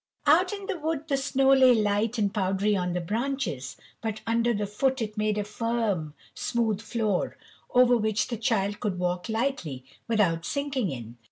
Out in the wood the snow lay light and powdery on the branches, but under foot it made a firm, smooth floor, over which the Child could walk lightly without sinking in.